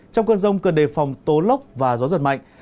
trong cơn rông cần đề phòng tố lốc và gió giật mạnh